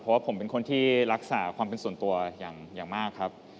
เพราะว่าผมเป็นคนที่รักษาความเป็นส่วนตัวอย่างมากครับ